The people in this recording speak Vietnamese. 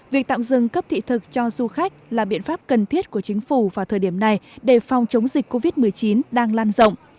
việc tạm dừng cấp thị thực cho du khách là biện pháp cần thiết của chính phủ vào thời điểm này để phòng chống dịch covid một mươi chín đang lan rộng